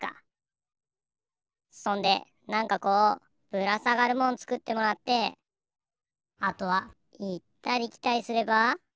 そんでなんかこうぶらさがるもんつくってもらってあとはいったりきたりすれば。